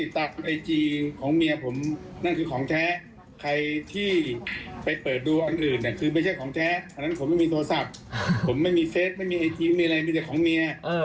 ถ้าคนอื่นไปลงปั๊บนั่นคือของปลอมทั้งทีเลย